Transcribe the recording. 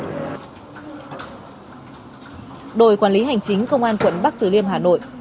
đội quản lý hành chính công an quận bắc tử liêm hà nội